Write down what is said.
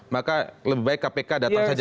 maka lebih baik kpk datang saja